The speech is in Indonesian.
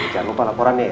jangan lupa laporannya ya